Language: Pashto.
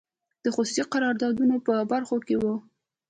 د خصوصي قراردادونو په برخو کې وو.